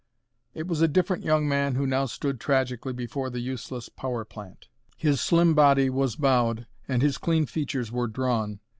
It was a different young man who now stood tragically before the useless power plant. His slim body was bowed, and his clean features were drawn.